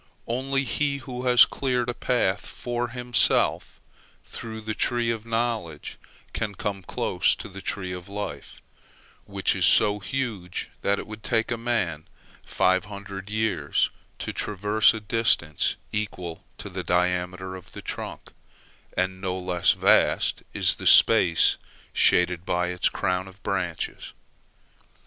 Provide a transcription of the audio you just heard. Only he who has cleared a path for himself through the tree of knowledge can come close to the tree of life, which is so huge that it would take a man five hundred years to traverse a distance equal to the diameter of the trunk, and no less vast is the space shaded by its crown of branches.